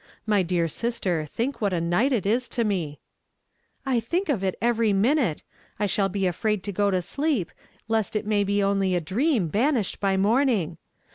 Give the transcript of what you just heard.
My dear sister, think what a night it is to me !"" I think of it every minute ! I shall be afraid to go to sleep, lest it may be only a dream ban ished by morning.